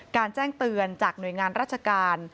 แจ้งเตือนจากหน่วยงานราชการ